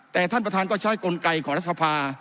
แต่ท่านประธานก็ใช้กลไกของรัฐสภา